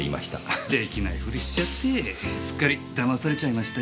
出来ないふりしちゃってぇすっかりだまされちゃいましたよ。